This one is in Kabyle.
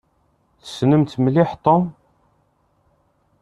Tessnemt mliḥ Tom?